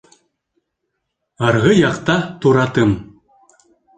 Арғы яҡта туратым